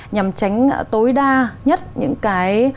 nhằm tránh tối đa nhất những cái